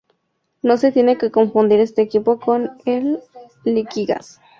No se tiene que confundir este equipo con el Liquigas.